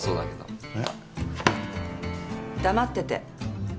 黙ってて。